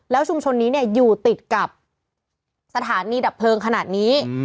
แล้วชุมชนนี้อยู่ติดกับสถานีดับเพลิงขนาดนี้